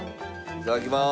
いただきます。